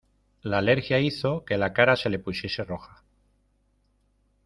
La alergía hizo que la cara se le pusiese roja.